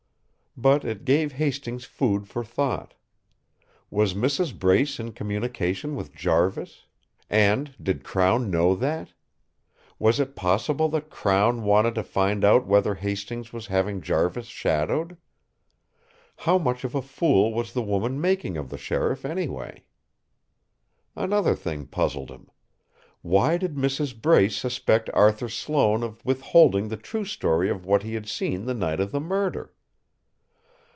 But it gave Hastings food for thought. Was Mrs. Brace in communication with Jarvis? And did Crown know that? Was it possible that Crown wanted to find out whether Hastings was having Jarvis shadowed? How much of a fool was the woman making of the sheriff, anyway? Another thing puzzled him: why did Mrs. Brace suspect Arthur Sloane of withholding the true story of what he had seen the night of the murder?